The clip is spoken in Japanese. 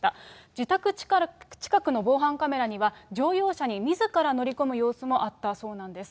自宅近くの防犯カメラには、乗用車にみずから乗り込む様子もあったそうなんです。